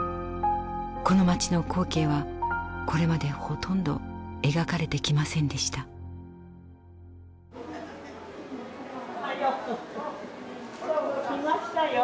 この町の光景はこれまでほとんど描かれてきませんでした。来ましたよ。